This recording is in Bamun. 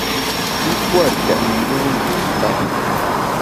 I pua’ tètmu ndun ndap.